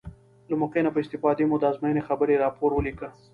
له موقع نه په استفادې مو د ازموینې خبري راپور ولیکه.